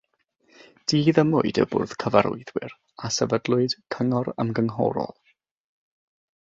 Diddymwyd y bwrdd cyfarwyddwyr a sefydlwyd cyngor ymgynghorol.